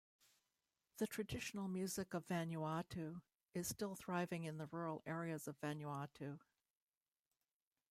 The traditional music of Vanuatu is still thriving in the rural areas of Vanuatu.